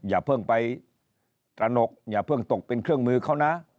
อย่าเพิ่งไปตระหนกอย่าเพิ่งตกเป็นเครื่องมือเขานะ